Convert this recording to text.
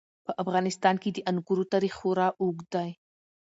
په افغانستان کې د انګورو تاریخ خورا اوږد دی.